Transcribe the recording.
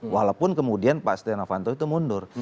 walaupun kemudian pak stianowanto itu mundur